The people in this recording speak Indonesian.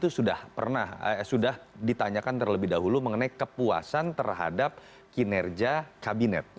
itu sudah pernah sudah ditanyakan terlebih dahulu mengenai kepuasan terhadap kinerja kabinet